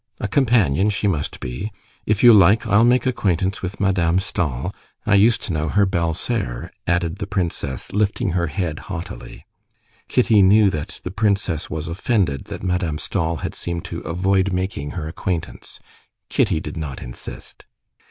A companion, she must be. If you like, I'll make acquaintance with Madame Stahl; I used to know her belle sœur," added the princess, lifting her head haughtily. Kitty knew that the princess was offended that Madame Stahl had seemed to avoid making her acquaintance. Kitty did not insist.